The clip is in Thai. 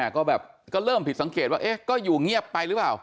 ก็แบบก็เริ่มผิดสังเกตว่าก็อยู่เงียบไปหรือเปล่า